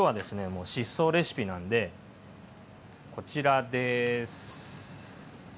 もう疾走レシピなんでこちらです。